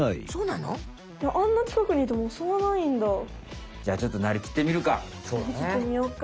なりきってみよっか。